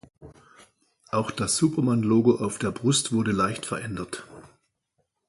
Auch das Superman-Logo auf der Brust wurde leicht verändert.